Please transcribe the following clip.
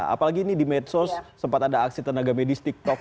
apalagi ini di medsos sempat ada aksi tenaga medis tiktok